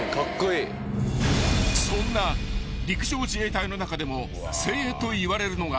［そんな陸上自衛隊の中でも精鋭といわれるのが］